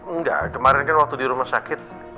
enggak kemarin kan waktu di rumah sakit